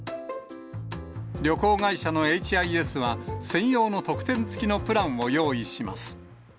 旅行会社のエイチ・アイ・エスは、専用の特典付きのプランを用意します。